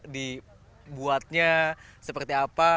dibuatnya seperti apa